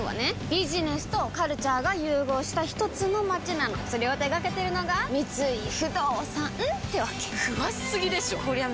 ビジネスとカルチャーが融合したひとつの街なのそれを手掛けてるのが三井不動産ってわけ詳しすぎでしょこりゃ